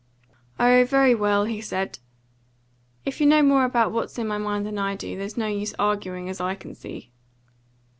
"Oh, very well," he said. "If you know more about what's in my mind than I do, there's no use arguing, as I can see."